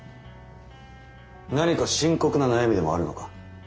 何か深刻な悩みでもあるのか？